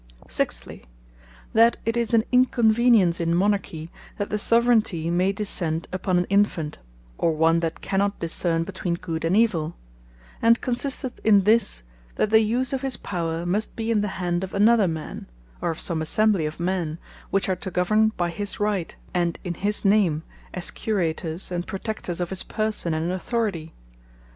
Sixtly, that it is an inconvenience in Monarchie, that the Soveraigntie may descend upon an Infant, or one that cannot discerne between Good and Evill: and consisteth in this, that the use of his Power, must be in the hand of another Man, or of some Assembly of men, which are to governe by his right, and in his name; as Curators, and Protectors of his Person, and Authority.